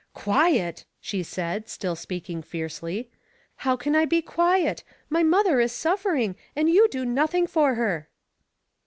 '*" Quiet !" she said, still speaking fiercely. " How can I be quiet ? My mother is suffering, and you do nothing for her."